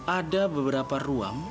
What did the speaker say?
ada beberapa ruang